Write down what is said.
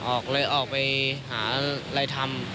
ออกไปหาอะไรทำ